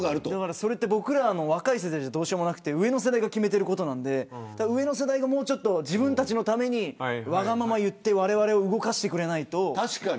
それって僕ら若い世代ではどうしようもなくて上の世代が決めていることなんで上の世代が自分たちのためにわがままを言ってわれわれを動かしてくれないと。